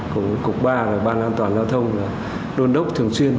cục ba ban an toàn giao thông đôn đốc thường xuyên